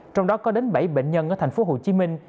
trong đó có đến bảy bệnh nhân ở tp hcm